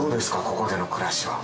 ここでの暮らしは。